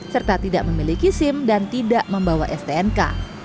serta tidak memiliki sim dan tidak membawa stnk